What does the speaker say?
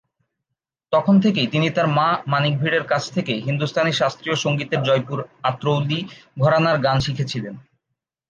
তখন থেকেই তিনি তাঁর মা মানিক ভিড়ের কাছ থেকে হিন্দুস্তানী শাস্ত্রীয় সংগীতের জয়পুর-আতরৌলি ঘরানার গান শিখেছিলেন।